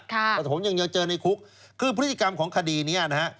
แต่ผมยังเจอในคุกคือพฤติกรรมของคดีนี้นะฮะ